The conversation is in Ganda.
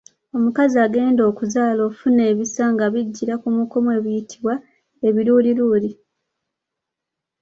Omukazi agenda okuzaala afuna ebisa nga bijjira kumukumu ebiyitibwa Ebiruliruli.